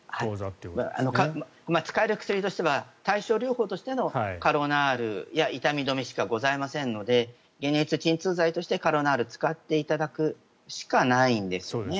使える薬としては対症療法としてのカロナールや痛み止めしかございませんので解熱鎮痛剤としてカロナールを使っていただくしかないんですね。